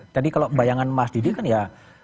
tadi kalau bayangan mas didi kan ya